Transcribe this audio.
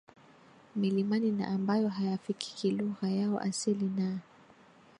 milimani na ambayo hayafikiki lugha yao asili na